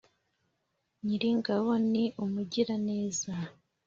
Nyiringabo ni umugira neza.